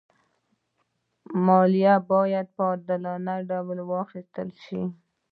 مالیه باید په عادلانه ډول واخېستل شي.